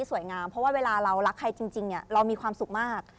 เวลาเรารักใครจริงเรามีความสุขมาก